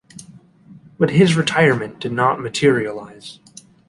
But his retirement did not materialize.